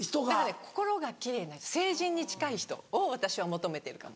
心が奇麗な聖人に近い人を私は求めてるかも。